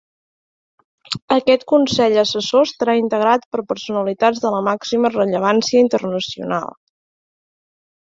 Aquest Consell Assessor estarà integrat per personalitats de la màxima rellevància internacional.